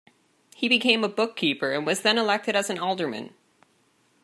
He became a bookkeeper, and was then elected as an alderman.